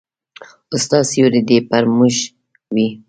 ستا سیوری دي پر موږ وي